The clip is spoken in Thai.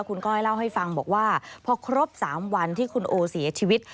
คุณก้อยเล่าให้ฟังบอกว่าพอครบ๓วันที่คุณโอเสียชีวิต